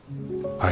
はい。